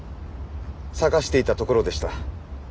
捜していたところでした。